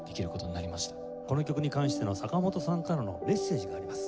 この曲に関しての坂本さんからのメッセージがあります。